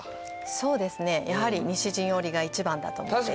そうですねやはり西陣織が一番だと思っています